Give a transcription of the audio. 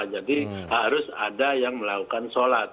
jadi harus ada yang melakukan solat